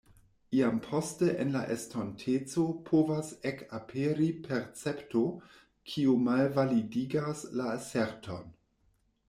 Iam poste en la estonteco povas ekaperi percepto, kiu malvalidigas la aserton.